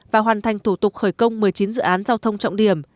và hoàn thành thủ tục khởi công một mươi chín dự án giao thông trọng điểm